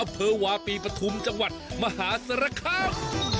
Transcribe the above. อำเภอวาปีปฐุมจังหวัดมหาสารคาม